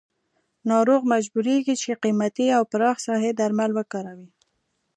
ناروغ مجبوریږي چې قیمتي او پراخ ساحې درمل وکاروي.